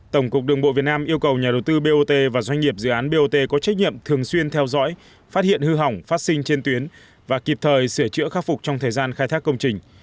tổng cục đường bộ việt nam yêu cầu nhà đầu tư bot và doanh nghiệp dự án bot có trách nhiệm thường xuyên theo dõi phát hiện hư hỏng phát sinh trên tuyến và kịp thời sửa chữa khắc phục trong thời gian khai thác công trình